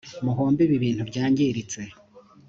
muhombe ibi bintu byangiritse